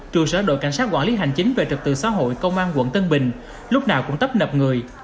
trụ sở đội cảnh sát quản lý hành chính về trật tự xã hội công an quận tân bình lúc nào cũng tấp nập người